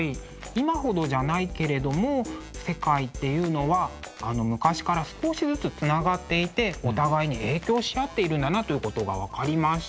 今ほどじゃないけれども世界っていうのは昔から少しずつつながっていてお互いに影響し合っているんだなということが分かりました。